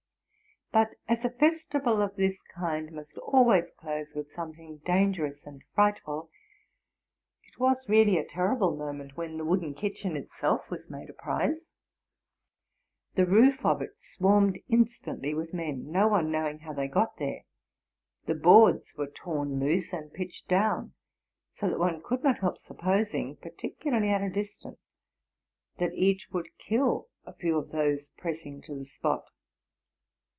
But, as a festival of this kind must always close with something dangerous and frightful, it was really a terrible moment when the wooden kitchen itself was made a prize. 'The roof of it swarmed instantly with men, no one knowing how they got there: the boards were torn loose, and pitched down; so that one could not help supposing, particularly ut a distance, that each would kill a few of those pressing to the spot.